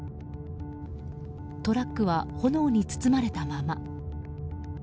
トラックは炎に包まれたまま。